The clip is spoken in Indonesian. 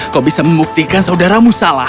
kau bisa membuktikan saudaramu salah